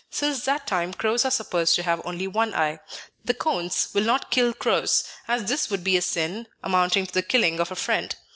Since that time, crows are supposed to have only one eye. The Kondhs will not kill crows, as this would be a sin amounting to the killing of a friend.